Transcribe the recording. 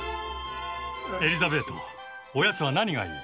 エリザベートおやつは何がいい？